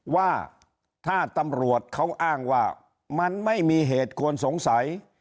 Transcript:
ว่าถ้าตำรวจเขาอ้างว่ามันไม่มีเหตุควรสงสัย